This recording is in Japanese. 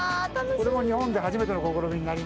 これも日本で初めての試みになります。